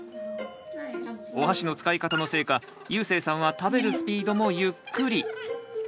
おはしの使い方のせいかゆうせいさんは食べるスピードもゆっくり。